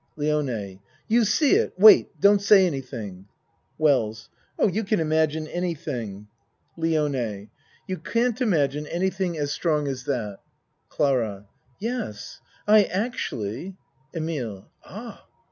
LIONE You see it! Wait! Don't say anything. WELLS Oh, you can imagine anything. LIONE You can't imagine anything as strong 64 A MAN'S WORLD as that. CLARA Yes I actually EMILE Ah!